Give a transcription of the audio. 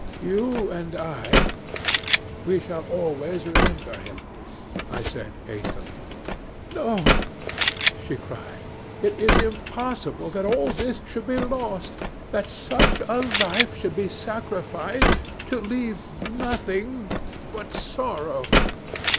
You and I ' "'We shall always remember him,' I said, hastily. "'No!' she cried. 'It is impossible that all this should be lost that such a life should be sacrificed to leave nothing but sorrow.